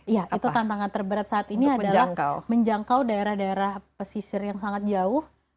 iya itu tantangan terberat saat ini adalah menjangkau daerah daerah pesisir yang sangat jauh